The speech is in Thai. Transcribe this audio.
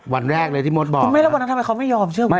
วันแรกเลยที่มดบอกคุณแม่แล้ววันนั้นทำไมเขาไม่ยอมเชื่อไหม